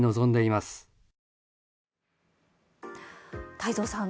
太蔵さん